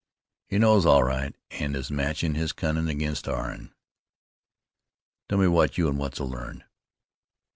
"He knows all right, an' is matchin' his cunnin' against our'n." "Tell me what you and Wetzel learned."